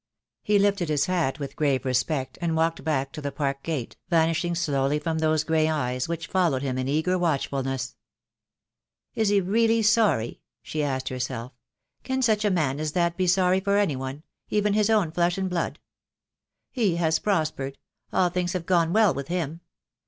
He lifted his hat with grave respect and walked back to the park gate, vanishing slowly from those grey eyes which followed him in eager watchfulness. "Is he really sorry?" she asked herself. "Can such a man as that be sorry for anyone, even his own flesh and blood? He has prospered; all things have gone well with him.